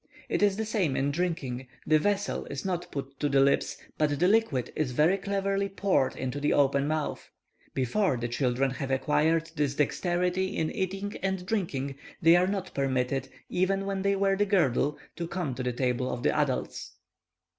It is the same in drinking; the vessel is not put to the lips, but the liquid is very cleverly poured into the open mouth. Before the children have acquired this dexterity in eating and drinking, they are not permitted, even when they wear the girdle, to come to the table of the adults.